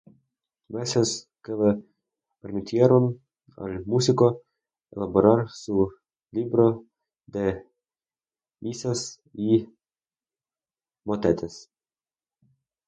Meses que le permitieron al músico elaborar su libro de misas y motetes.